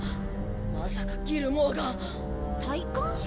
まさかギルモアが？戴冠式？